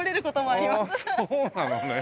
ああそうなのね。